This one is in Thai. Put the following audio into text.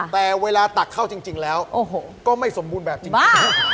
แต่เวลาตักเข้าจริงแล้วก็ไม่สมบูรณ์แบบจริง